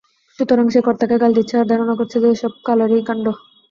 সুতরাং সে কর্তাকে গাল দিচ্ছে আর ধারণা করছে যে, এ সব কালেরই কাণ্ড!